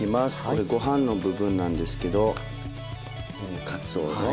これご飯の部分なんですけどかつおの。